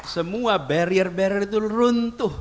semua barrier barrier itu runtuh